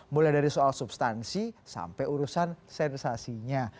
mulai dari soal substansi sampai urusan sensasinya